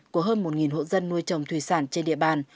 của hơn một hộ dân nuôi trồng thủy sản trên địa bàn